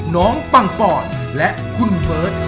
น้องปังปอดและคุณเบิศ